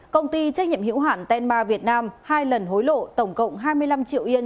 công ty trách nhiệm hiểu hạn tenma việt nam hai lần hối lộ tổng cộng hai mươi năm triệu yên